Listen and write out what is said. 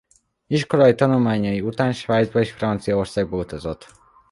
Iskolai tanulmányai után Svájcba és Franciaországba utazott.